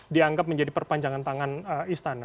dianggap menjadi perpanjangan tangan istana